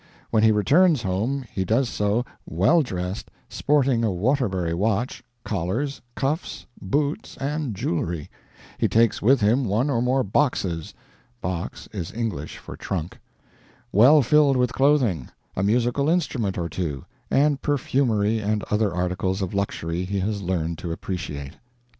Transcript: When he returns home he does so well dressed, sporting a Waterbury watch, collars, cuffs, boots, and jewelry. He takes with him one or more boxes ["Box" is English for trunk.] well filled with clothing, a musical instrument or two, and perfumery and other articles of luxury he has learned to appreciate."